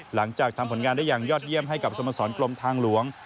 หลังจากทำผลงานได้อย่างยอดเยี่ยมให้กับสมสรกลมทางหลวง